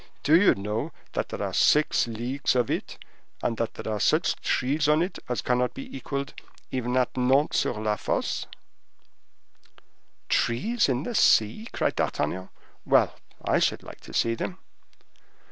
"Do you know that there are six leagues of it, and that there are such trees on it as cannot be equaled even at Nates sur le Fosse?" "Trees in the sea!" cried D'Artagnan; "well, I should like to see them."